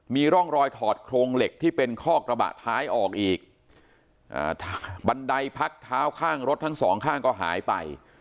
มีร่องรอยถอดโครงเหล็กที่เป็นคอกกระบะท้ายออกอีกบันไดพักเท้าข้างรถทั้งสองข้างก็หายไป